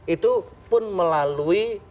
itu pun melalui